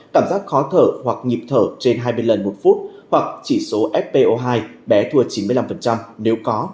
cảm giác khó thở hoặc nhịp thở trên hai mươi lần một phút hoặc chỉ số fpo hai bé thua chín mươi năm nếu có